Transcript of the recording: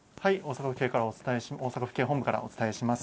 大阪府警からお伝えします。